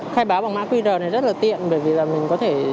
khai báo bằng mã qr này rất là tiện bởi vì là mình có thể